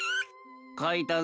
書いたぞ。